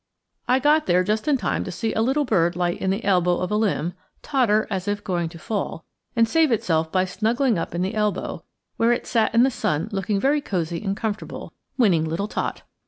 I got there just in time to see a little bird light in the elbow of a limb, totter as if going to fall, and save itself by snuggling up in the elbow, where it sat in the sun looking very cozy and comfortable winning little tot.